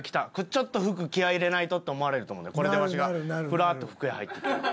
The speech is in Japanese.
「ちょっと服気合い入れないと」って思われると思うでこれでわしがふらっと服屋入っていったら。